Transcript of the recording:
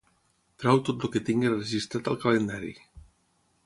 Treu tot el que tingui registrat al calendari.